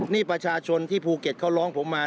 นี่ประชาชนที่ภูเก็ตเขาร้องผมมา